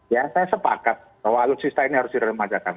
ya saya sepakat bahwa alutsista ini harus diremajakan